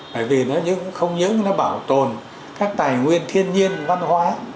bởi vì nó không những nó bảo tồn các tài nguyên thiên nhiên văn hóa